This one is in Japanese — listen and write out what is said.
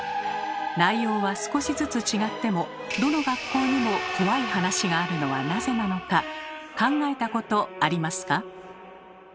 内容は少しずつ違ってもどの学校にも怖い話があるのはなぜなのか考えたことありますか？